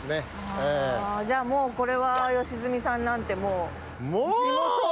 じゃあもうこれは良純さんなんてもう。